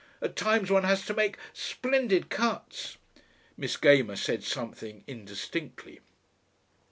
At times one has to make splendid cuts." Miss Gamer said something indistinctly.